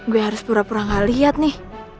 gue harus pura pura gak lihat nih